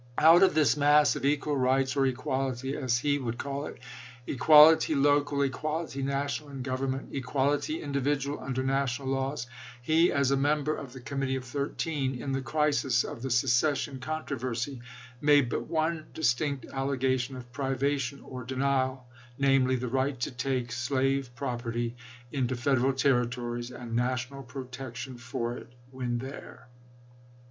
Out of this mass of equal rights, or " equality " as he would call it, — equality local, equality national in government, equality individual under national laws, — he as a member of the Committee of Thir teen, in the crisis of the secession controversy, made but one distinct allegation of privation or denial, namely, the right to take slave property into Federal Territories and national protection for it when there.